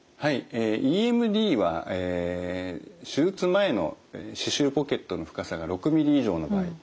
えＥＭＤは手術前の歯周ポケットの深さが６ｍｍ以上の場合。